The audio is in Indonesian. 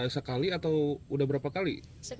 sekali atau udah berapa kali